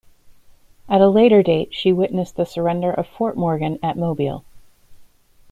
At a later date she witnessed the surrender of Fort Morgan at Mobile.